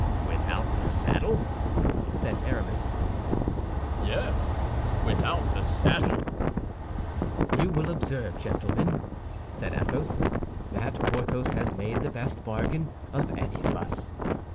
"Without the saddle?" said Aramis. "Yes, without the saddle." "You will observe, gentlemen," said Athos, "that Porthos has made the best bargain of any of us."